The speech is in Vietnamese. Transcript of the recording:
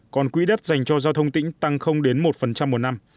còn quỹ đất dành cho giao thông tỉnh tăng đến một một năm